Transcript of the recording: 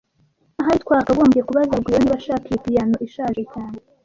Ahari twakagombye kubaza Rugwiro niba ashaka iyi piyano ishaje cyane